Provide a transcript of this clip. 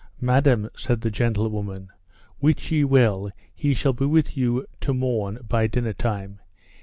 Madam, said the gentlewoman, wit ye well he shall be with you to morn by dinner time.